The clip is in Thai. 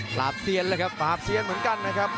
เซียนเลยครับปราบเซียนเหมือนกันนะครับ